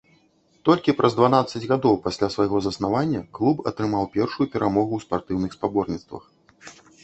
Толькі праз дванаццаць гадоў пасля свайго заснавання клуб атрымаў першую перамогу ў спартыўных спаборніцтвах.